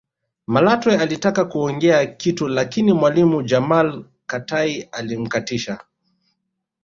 Malatwe alitaka kuongea kitu lakini mwalimu Jamal Katai alimkatisha